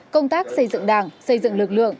công tác xây dựng đảng xây dựng lực lượng